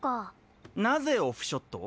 なぜオフショットを？